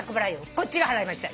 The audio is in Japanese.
こっちが払いました。